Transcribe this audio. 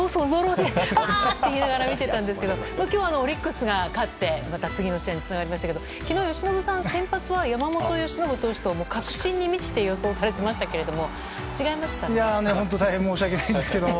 て言いながら見ていたんですけど今日はオリックスが勝って次の試合につながりましたが昨日、由伸さん先発は山本由伸投手と確信に満ちて予想されていましたけど本当、大変申し訳ないんですが。